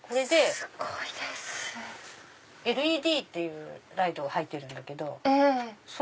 ＬＥＤっていうライトが入ってるんだけど。